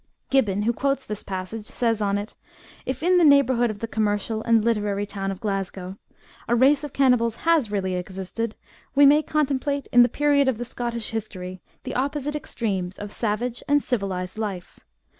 Gihhon who quotes this passage says on.it :" If in the neighbourhood of the commercial and literary town of Glasgow, a race of cannibals has really existed, we may contemplate, in the period of the Scottish history, the opposite extremes of savage and ciyilized life.